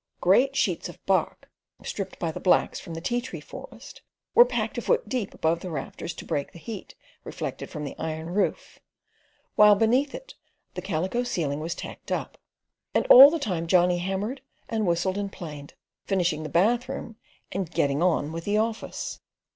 Great sheets of bark, stripped by the blacks from the Ti Tree forest, were packed a foot deep above the rafters to break the heat reflected from the iron roof, while beneath it the calico ceiling was tacked up. And all the time Johnny hammered and whistled and planed, finishing the bathroom and "getting on" with the office.